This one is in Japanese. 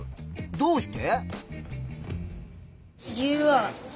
どうして？